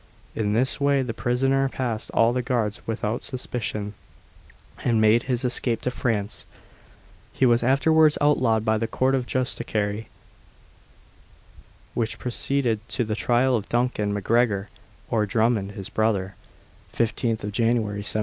In this way the prisoner passed all the guards without suspicion, and made his escape to France. He was afterwards outlawed by the Court of Justiciary, which proceeded to the trial of Duncan MacGregor, or Drummond, his brother, 15th January 1753.